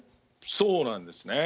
そうなんですね。